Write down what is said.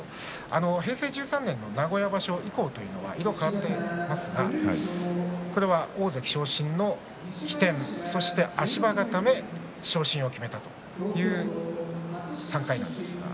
平成２３年の名古屋場所以降というのは色が変わっていますがこれは大関昇進の起点足場固め、昇進を決めたという３回の黄色い数字です。